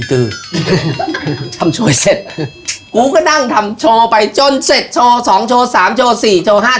ทำโชว์ให้เสร็จกูก็นั่งทำโชว์ไปจนเสร็จโชว์สองโชว์สามโชว์สี่โชว์ห้า